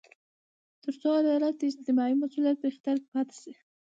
تر څو عدالت د اجتماعي مسوولیت په اختیار کې پاتې شي.